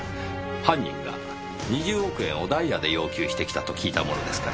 犯人が２０億円をダイヤで要求してきたと聞いたものですから。